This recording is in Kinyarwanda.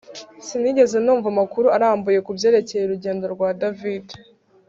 Sinigeze numva amakuru arambuye kubyerekeye urugendo rwa David